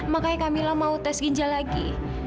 makanya kamilah mau tes ginjal lagi